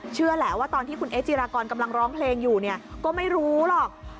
เชื่อแหละว่าตอนที่คุณเอ๊จิรากรกำลังร้องเพลงอยู่เนี่ยก็ไม่รู้หรอก